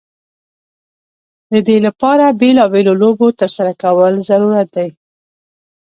د دې لپاره بیلا بېلو لوبو ترسره کول ضرورت دی.